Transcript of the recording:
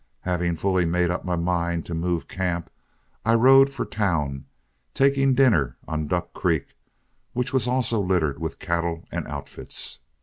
Having fully made up my mind to move camp, I rode for town, taking dinner on Duck Creek, which was also littered with cattle and outfits.